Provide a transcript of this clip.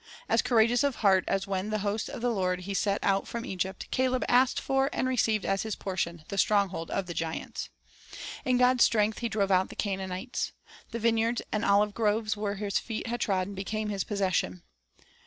As courageous of heart as when with the hosts of the Lord he set out from Egypt, Caleb asked for and received as his portion the stronghold of the giants. In God's strength he drove out the Canaanites. The vineyards and olive groves where his feet had trodden became his possession.